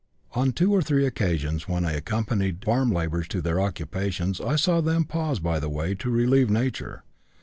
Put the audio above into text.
On two or three occasions when I accompanied farm laborers to their occupations I saw them pause by the way to relieve nature.